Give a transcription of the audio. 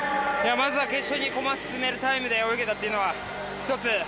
まずは決勝に駒を進められるタイムで泳げたのは１つ。